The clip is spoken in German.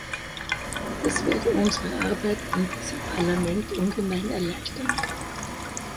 Das wird unsere Arbeit in diesem Parlament ungemein erleichtern.